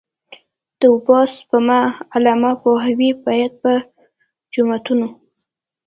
د اوبو سپما عامه پوهاوی باید په جوماتونو.